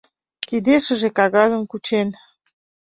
Кидешыже кагазым кучен.